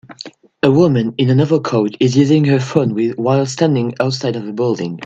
A woman in an overcoat is using her phone while standing outside of a building.